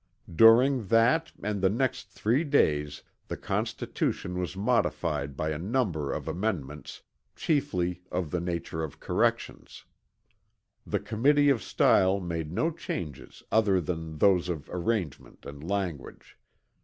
During that and the next three days the Constitution was modified by a number of amendments chiefly of the nature of corrections. The Committee of Style made no changes other than those of arrangement and language.